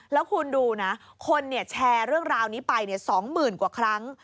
แล้วคุณดูนะคนแชร์เรื่องราวนี้ไป๒๐๐๐กว่าครั้ง